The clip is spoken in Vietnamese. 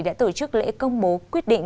đã tổ chức lễ công bố quyết định